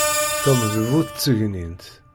Tom d bu tṣegnint.